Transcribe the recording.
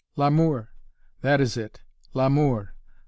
L'amour! that is it L'amour!